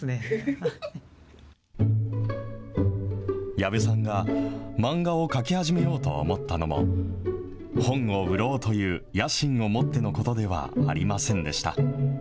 矢部さんが漫画を描き始めようと思ったのも、本を売ろうという野心を持ってのことではありませんでした。